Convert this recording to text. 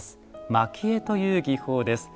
蒔絵という技法です。